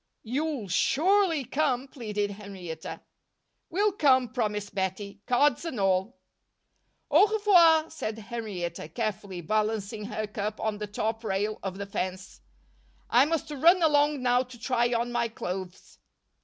"You'll surely come," pleaded Henrietta. "We'll come," promised Bettie, "cards and all." "Au revoir," said Henrietta, carefully balancing her cup on the top rail of the fence. "I must run along now to try on my clothes."